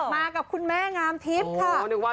มากับคุณแม่งามทิพย์ค่ะ